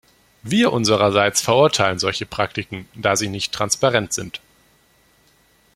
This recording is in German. Wir unsererseits verurteilen solche Praktiken, da sie nicht transparent sind.